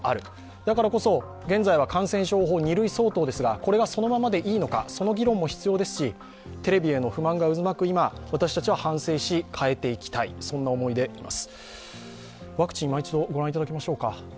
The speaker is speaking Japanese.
だからこそ、現在は感染症法２類相当ですがこれがそのままでいいのか、その議論も必要ですしテレビへの不満が渦巻く今、私たちは反省し、変えていきたい、そんな思いです。